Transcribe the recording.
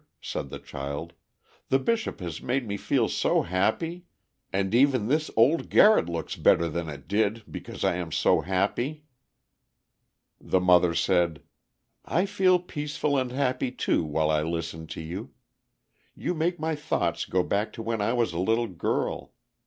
said the child, "the Bishop has made me feel so happy—and even this old garret looks better than it did, because I am so happy." The mother said: "I feel peaceful and happy too while I listen to you. You make my thoughts go back to when I was a little girl.